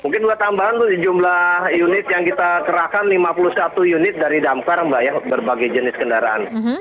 mungkin buat tambahan untuk sejumlah unit yang kita kerahkan lima puluh satu unit dari damkar mbak ya berbagai jenis kendaraan